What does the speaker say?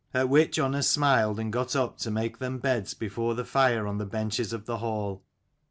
At which Unna smiled, and got up to make them beds before the fire on the benches of the hall.